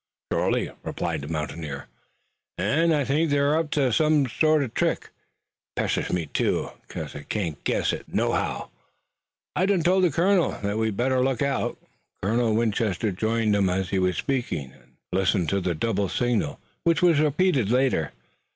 "Shorely," replied the mountaineer, "an' I think they're up to some sort uv trick. It pesters me too, 'cause I can't guess it nohow. I done told the colonel that we'd better look out." Colonel Winchester joined them as he was speaking, and listened to the double signal which was repeated later.